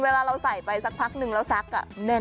เวลาเราใส่ไปซักพักหนึ่งแล้วซัก